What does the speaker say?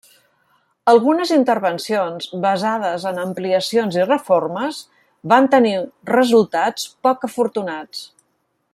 Algunes intervencions, basades en ampliacions i reformes, van tenir resultats poc afortunats.